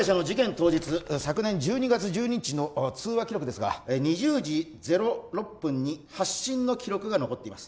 当日昨年１２月１２日の通話記録ですが２０時０６分に発信の記録が残っています